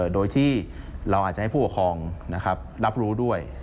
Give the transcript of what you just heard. โดยที่เราอาจจะให้ผู้ปกครองรับรู้ด้วย